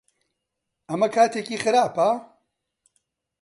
ئەمە کاتێکی خراپە؟